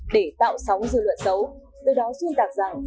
để tạo sóng dư luận xấu từ đó xuyên tạc rằng